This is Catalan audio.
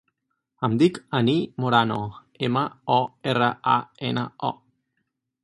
Em dic Anir Morano: ema, o, erra, a, ena, o.